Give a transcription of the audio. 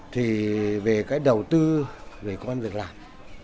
thì về cái đầu tư về công an việc làm